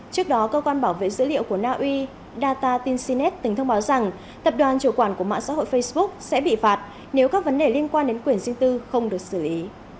trước đó cơ quan bảo vệ dữ liệu của naui data tinsinet tính thông báo rằng tập đoàn chủ quản của mạng xã hội facebook sẽ bị phạt nếu các vấn đề liên quan đến quyền riêng tư không được xử lý